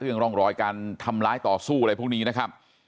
ร่องรอยการทำร้ายต่อสู้อะไรพวกนี้นะครับ